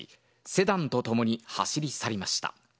セダンとともに走り去りました。